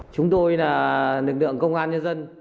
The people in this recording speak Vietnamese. chúng tôi là lực lượng công an nhân dân